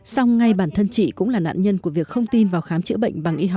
song ngay bản thân chị cũng là nạn nhân của việc không tin vào khám chữa bệnh